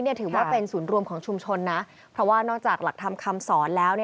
ถือว่าเป็นศูนย์รวมของชุมชนนะเพราะว่านอกจากหลักธรรมคำสอนแล้ว